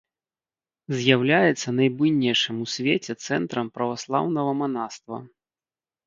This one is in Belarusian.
З'яўляецца найбуйнейшым у свеце цэнтрам праваслаўнага манаства.